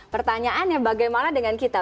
pertanyaannya bagaimana dengan kita